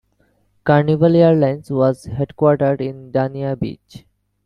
Carnival Air Lines was headquartered in Dania Beach.